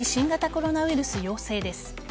再び新型コロナウイルス陽性です。